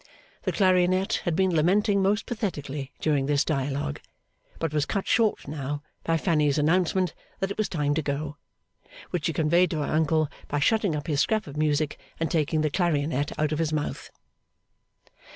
The clarionet had been lamenting most pathetically during this dialogue, but was cut short now by Fanny's announcement that it was time to go; which she conveyed to her uncle by shutting up his scrap of music, and taking the clarionet out of his mouth.